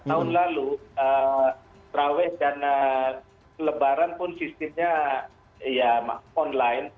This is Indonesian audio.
tahun lalu trawes dan lebaran pun sistemnya online